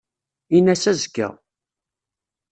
Ini-as azekka.